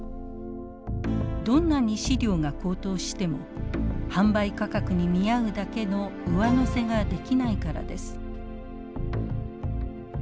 どんなに飼料が高騰しても販売価格に見合うだけの上乗せができないからです。